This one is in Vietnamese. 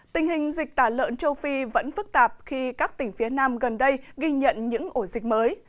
tình hình dịch tả lợn châu phi vẫn phức tạp khi các tỉnh phía nam gần đây ghi nhận những ổ dịch mới